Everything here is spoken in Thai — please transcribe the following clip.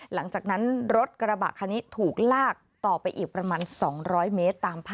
หลังจากนั้นรถกระบะคันนี้ถูกลากต่อไปอีกประมาณ๒๐๐เมตรตามภาพ